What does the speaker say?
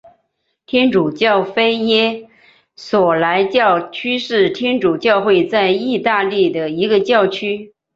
天主教菲耶索莱教区是天主教会在义大利的一个教区。